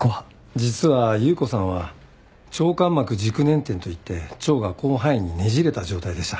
実は裕子さんは腸間膜軸捻転といって腸が広範囲にねじれた状態でした。